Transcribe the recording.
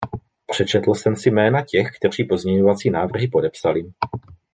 Přečetl jsem si jména těch, kteří pozměňovací návrhy podepsali.